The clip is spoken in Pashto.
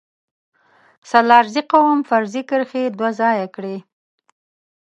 سلارزی قوم فرضي کرښې دوه ځايه کړي